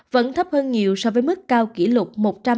vẫn thấp hơn nhiều so với mức cao kỷ lục một trăm tám mươi bốn